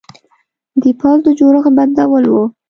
د پوځ د جوړښت بدلول و.